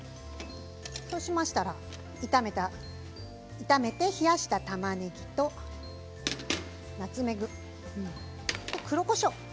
そうしましたら炒めて冷やした、たまねぎとナツメグ、黒こしょう